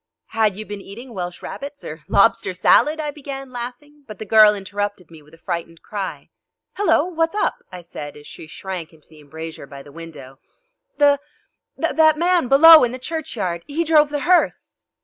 "Had you been eating Welsh rarebits, or lobster salad?" I began, laughing, but the girl interrupted me with a frightened cry. "Hello! What's up?" I said, as she shrank into the embrasure by the window. "The the man below in the churchyard; he drove the hearse."